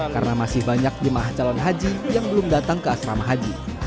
karena masih banyak jemaah calon haji yang belum datang ke asrama haji